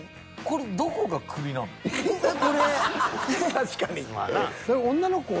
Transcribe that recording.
確かに。